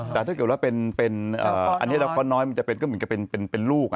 แต่ถ้าเกิดว่าเป็นอันนี้เราก็น้อยมันจะเป็นก็เหมือนกับเป็นลูก